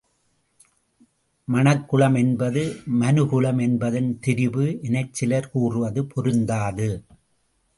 மணக்குளம் என்பது மனுகுலம் என்பதன் திரிபு எனச் சிலர் கூறுவது பொருந்தாது.